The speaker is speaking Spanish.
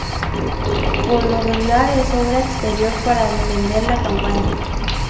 Por lo regular es obra exterior para defender la campaña".